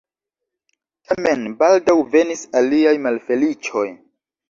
Tamen baldaŭ venis aliaj malfeliĉoj.